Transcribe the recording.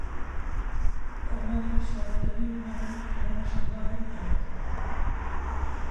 Li Amedê şaredariyê navê ‘Kolana Şengalê’ guhert.